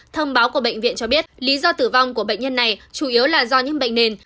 thông báo của bệnh viện cho biết lý do tử vong của bệnh nhân này chủ yếu là do nhiễm bệnh nền